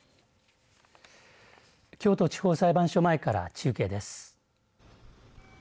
京都地方裁判所前から中継です。